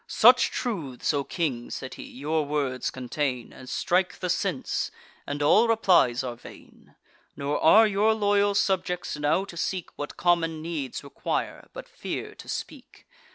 "Such truths, O king," said he, "your words contain, As strike the sense, and all replies are vain; Nor are your loyal subjects now to seek What common needs require, but fear to speak.